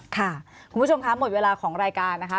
ค่ะคุณผู้ชมค่ะหมดเวลาของรายการนะคะ